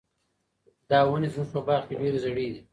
دا ونې زموږ په باغ کې ډېرې زړې دي.